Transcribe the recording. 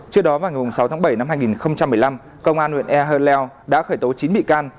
trước đó vào ngày sáu tháng bảy năm hai nghìn một mươi năm công an huyện e hơ l leo đã khởi tố chín bị can